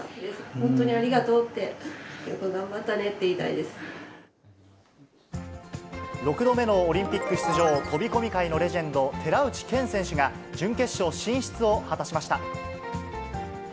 本当にありがとうって、６度目のオリンピック出場、飛び込み界のレジェンド、寺内健選手が準決勝進出を果たしました。